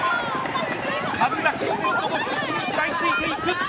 神田クロテッドも必死に食らいついていく！